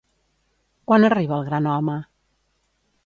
Quan arriba el gran home?